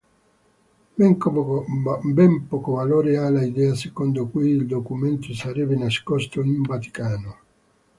Ben poco valore ha l'idea secondo cui il documento sarebbe nascosto in Vaticano.